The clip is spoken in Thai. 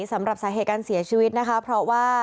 สำหรับสาเหตุการเสียชีวิตนะคะ